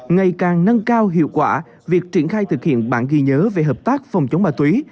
ngày càng nâng cao hiệu quả việc triển khai thực hiện bản ghi nhớ về hợp tác phòng chống ma túy